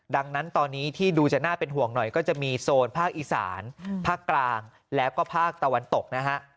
ดังนั้นตอนนี้ที่ดูจะน่าเป็นห่วงหน่อยก็จะมีโซนภาคอีสานภาคกลางแล้วก็ภาคตะวันตกนะฮะ